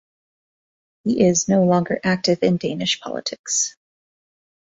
He is no longer active in Danish politics.